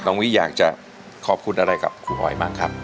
น้องวิอยากจะขอบคุณอะไรกับครูออยมากครับ